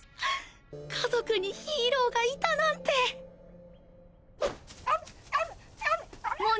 家族にヒーローがいたなんてワンワン。